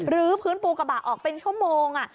ื้อพื้นปูกระบะออกเป็นชั่วโมง